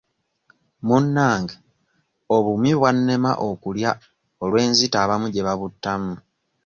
Munnange obumyu bwannema okulya olw'enzita abamu gye babuttamu.